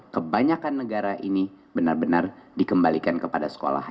kebanyakan negara ini benar benar dikembalikan kepada sekolah